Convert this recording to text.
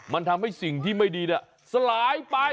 มันทำให้สิ่งที่ไม่ดีสลายไป